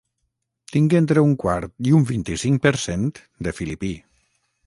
Tinc entre un quart i un vint-i-cinc per cent de filipí.